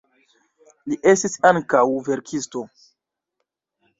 Li estis ankaŭ verkisto.